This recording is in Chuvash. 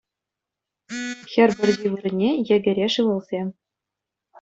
Хӗр пӗрчи вырӑнне — йӗкӗреш ывӑлсем